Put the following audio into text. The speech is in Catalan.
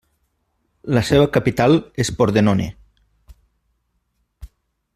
La seva capital és Pordenone.